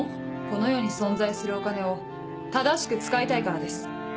この世に存在するお金を正しく使いたいからです。